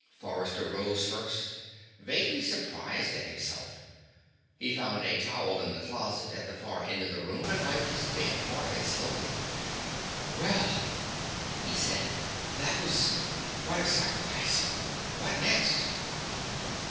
Forrester rose first, vaguely surprised at himself. He found a towel in a closet at the far end of the room and wiped his damp forehead slowly. "Well," he said. "That was quite a sacrifice. What next?"